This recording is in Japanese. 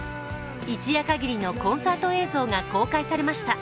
一夜限りのコンサート映像が公開されました。